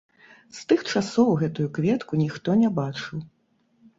З тых часоў гэтую кветку ніхто не бачыў.